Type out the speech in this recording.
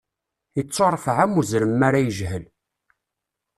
Ittuṛfeɛ am uzrem mi ara yejhel.